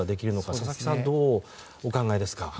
佐々木さんはどうお考えですか？